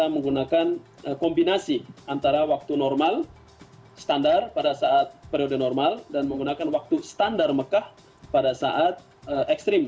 menggunakan kombinasi antara waktu normal standar pada saat periode normal dan menggunakan waktu standar mekah pada saat ekstrim